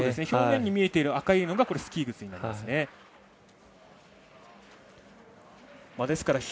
表面に見えている赤いものがスキー靴になります。